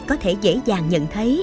có thể dễ dàng nhận thấy